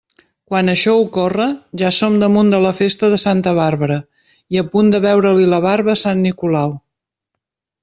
Quan això ocorre, ja som damunt de la festa de Santa Bàrbara i a punt de veure-li la barba a sant Nicolau.